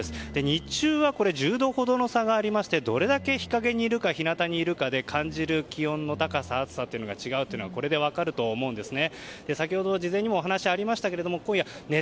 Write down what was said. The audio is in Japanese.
日中は１０度ほどの差がありましてどれだけ日陰にいるか日なたにいるかで感じる気温の高さ、暑さが違うというのがこれで分かると思うんですね。